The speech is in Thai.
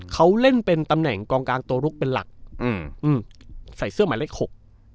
เขาเล่นเป็นตำแหน่งกองกลางตัวลุกเป็นหลักอืมอืมใส่เสื้อหมายเลขหก